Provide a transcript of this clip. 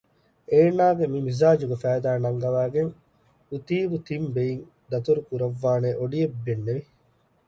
އޭނާގެ މި މިޒާޖުގެ ފައިދާ ނަންގަވައިގެން އުތީބު ތިން ބެއިން ދަތުރު ކުރައްވާނޭ އޮޑިއެއް ބެންނެވި